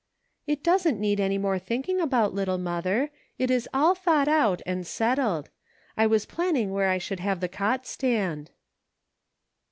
" It doesn't need any more thinking about, little mother ; it is all thought out, and settled. I was planning where I would have the cot stand."